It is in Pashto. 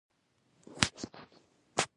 مشرتوب له هڅونې سره تړاو لري.